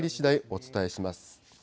お伝えします。